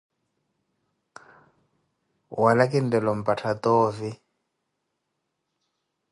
Wala khintela omphattha tovi?